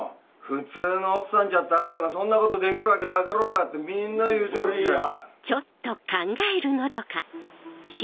普通の奥さんじゃったあんたがそんなことできるわけなかろうがってみんな言うちょるんじゃ！